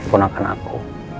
apun akan aku